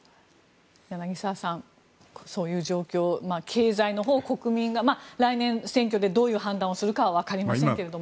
柳澤さん、そういう状況経済のほうを国民が来年、選挙でどういう判断をするかは分かりませんけれども。